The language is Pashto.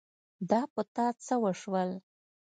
دا په تا څه وشول ؟